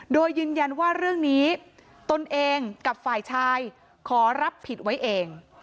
โดยยืนยันว่าเรื่องนี้ตนเองกับฝ่ายชายขอรับผิดไว้เอง